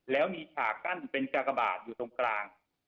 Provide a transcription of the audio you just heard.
แล้วมีฉากกั้นเป็นกากบาทอยู่ตรงกลาง